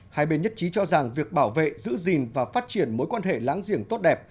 hai bên nhất trí cho rằng việc bảo vệ giữ gìn và phát triển mối quan hệ láng giềng tốt đẹp